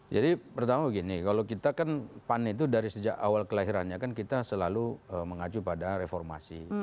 jadi pertama begini kalau kita kan pan itu dari awal kelahirannya kan kita selalu mengacu pada reformasi